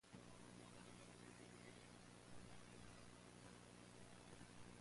Smith left the camp to get supplies from the port.